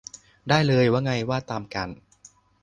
ได้เลย ว่าไงว่าตามกัน